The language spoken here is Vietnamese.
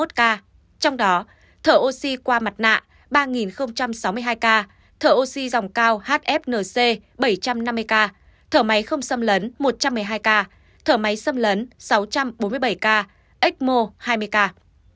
trong đó thở oxy qua mặt nạ ba sáu mươi hai ca thở oxy dòng cao hfnc bảy trăm năm mươi ca thở máy không xâm lấn một trăm một mươi hai ca thở máy xâm lấn sáu trăm bốn mươi bảy ca ecmo hai mươi ca